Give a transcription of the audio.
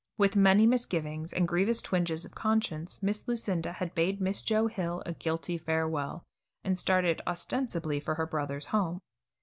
With many misgivings and grievous twinges of conscience, Miss Lucinda had bade Miss Joe Hill a guilty farewell, and started ostensibly for her brother's home.